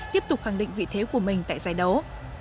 tiếp tục khẳng định vị thế của mình tại giải đấu